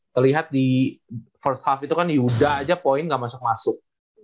terlihat di first huff itu kan yaudah aja poin gak masuk masuk